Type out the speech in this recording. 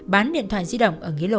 bán điện thoại di động ở nghĩa lộ